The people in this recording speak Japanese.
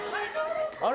あれ？